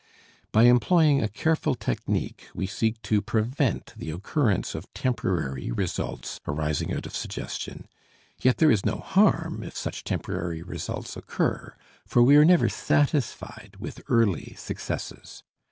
By employing a careful technique we seek to prevent the occurrence of temporary results arising out of suggestion, yet there is no harm if such temporary results occur, for we are never satisfied with early successes.